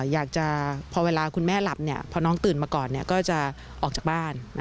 อยากจะพอเวลาคุณแม่หลับพอน้องตื่นมาก่อนก็จะออกจากบ้าน